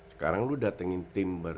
sekarang lo datengin timber